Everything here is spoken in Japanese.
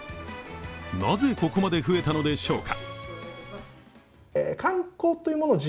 なぜ、ここまで増えたのでしょうか？